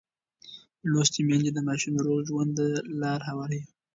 لوستې میندې د ماشوم روغ ژوند ته لار هواروي.